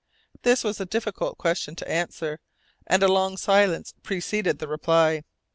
This was a difficult question to answer, and a long silence preceded the reply.